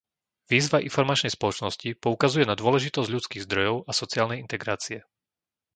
Výzva informačnej spoločnosti poukazuje na dôležitosť ľudských zdrojov a sociálnej integrácie.